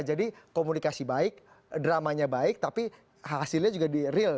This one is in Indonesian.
jadi komunikasi baik dramanya baik tapi hasilnya juga di real